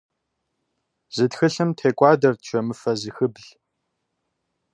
Зы тхылъым текӏуадэрт жэмыфэ зыхыбл.